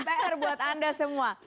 pr nih pr buat anda semua